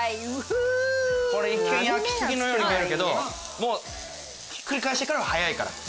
これ一見焼きすぎのように見えるけどもうひっくり返してからは早いから。